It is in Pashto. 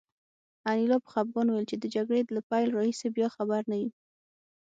انیلا په خپګان وویل چې د جګړې له پیل راهیسې بیا خبر نه یو